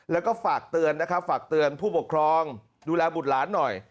แล้วก็ฝากเตือนนะครับฝากเตือนผู้ปกครองดูแลบุตรหลานหน่อย